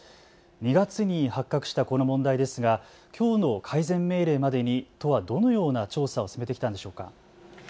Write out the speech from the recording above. ２月に発覚したこの問題ですがきょうの改善命令までに都はどのような調査を進めてきたんでしょうか。